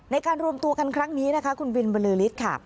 ในการรวมตัวกันครั้งนี้นะคะคุณบินบรือฤทธิ์ค่ะ